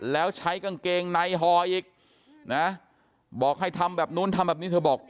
แล้วใช้กางเกงในห่ออีกนะบอกให้ทำแบบนู้นทำแบบนี้เธอบอก